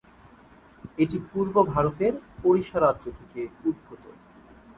এটি পূর্ব ভারতের ওড়িশা রাজ্য থেকে উদ্ভূত।